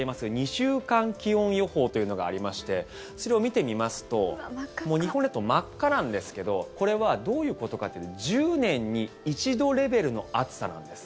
２週間気温予報というのがありましてそれを見てみますともう日本列島、真っ赤なんですがこれはどういうことかというと１０年に一度レベルの暑さなんです。